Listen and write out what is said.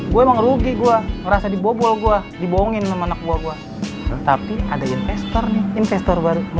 gue mau rugi gua ngerasa dibobol gua dibohongin menakbubah tapi ada investor investor baru mau